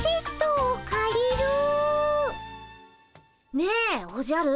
ねえおじゃる。